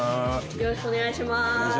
よろしくお願いします。